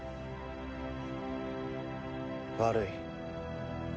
悪い。